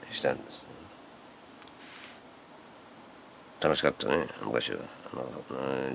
楽しかったね昔は。